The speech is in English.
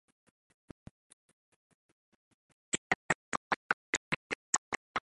He had never thought about returning to his hometown.